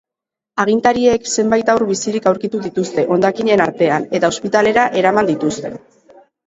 Agintariek zenbait haur bizirik aurkitu dituzte hondakinen artean eta ospitalera eraman dituzte.